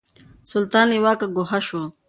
سلطان له واکه ګوښه شو.